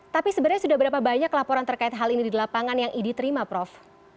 tapi sebenarnya sudah berapa banyak laporan terkait hal ini di lapangan yang idi terima prof